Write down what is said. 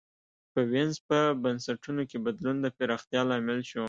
په وینز په بنسټونو کې بدلون د پراختیا لامل شو.